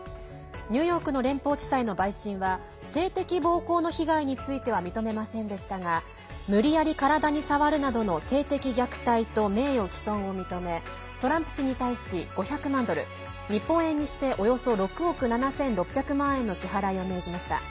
ニューヨークの連邦地裁の陪審は性的暴行の被害については認めませんでしたが無理やり体に触るなどの性的虐待と名誉毀損を認めトランプ氏に対し５００万ドル日本円にしておよそ６億７６００万円の支払いを命じました。